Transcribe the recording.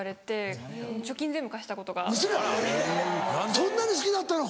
そんなに好きだったの？